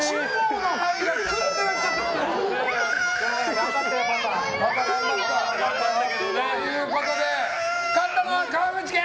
頑張ったよ、パパ。ということで勝ったのは川口家！